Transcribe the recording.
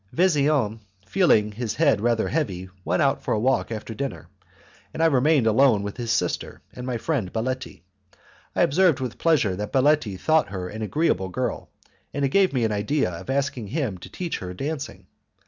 Vesian, feeling his head rather heavy, went out for a walk after dinner, and I remained alone with his sister and my friend Baletti. I observed with pleasure that Baletti thought her an agreeable girl, and it gave me the idea of asking him to teach her dancing.